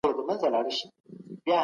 پوهان به طبیعي علوم لا زیات پراخ نه کړي.